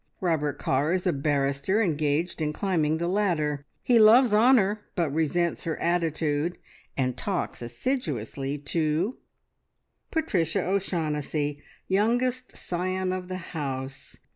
Robert Carr is a barrister engaged in climbing the ladder. He loves Honor, but resents her attitude, and talks assiduously to: "Patricia O'Shaughnessy, youngest scion of the house.